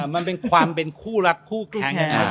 มันเป็นความเป็นคู่รักคู่แข่ง